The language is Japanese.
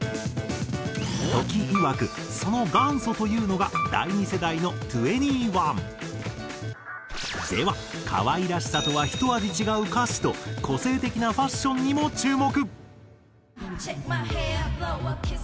土岐いわくその元祖というのが第２世代の２ＮＥ１。では可愛らしさとはひと味違う歌詞と個性的なファッションにも注目。